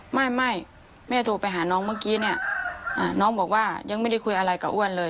ไม่ไม่แม่โทรไปหาน้องเมื่อกี้เนี่ยน้องบอกว่ายังไม่ได้คุยอะไรกับอ้วนเลย